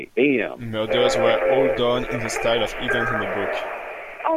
The murders were all done in the style of events in the book.